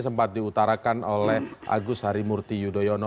sempat diutarakan oleh agus harimurti yudhoyono